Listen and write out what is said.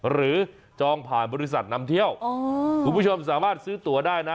จองผ่านบริษัทนำเที่ยวคุณผู้ชมสามารถซื้อตัวได้นะ